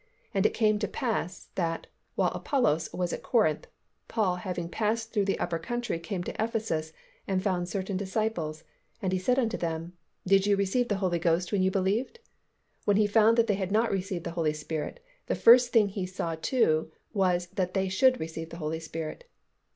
"And it came to pass, that, while Apollos was at Corinth, Paul having passed through the upper country came to Ephesus, and found certain disciples: and he said unto them, Did ye receive the Holy Ghost when ye believed?" When he found that they had not received the Holy Spirit, the first thing that he saw to was that they should receive the Holy Spirit.